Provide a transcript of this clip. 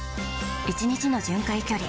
１日の巡回距離